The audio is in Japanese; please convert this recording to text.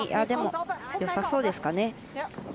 でも、よさそうですかね。